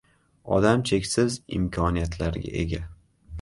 Odam cheksiz imkoniyatlarga ega.